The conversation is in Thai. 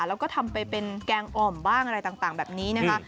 แล้วก็ทำไปเป็นแกงอ่อมบ้างอะไรต่างแบบนี้นะคะ